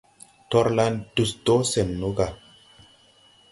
Torlan dus do sen no ga.